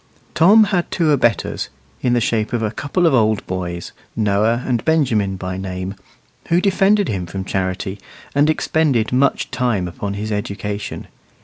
Tom had two abettors, in the shape of a couple of old boys, Noah and Benjamin by name, who defended him from Charity, and expended much time upon his education.